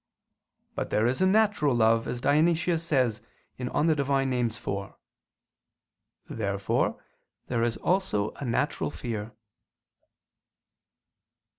But there is a natural love, as Dionysius says (Div. Nom. iv). Therefore there is also a natural fear.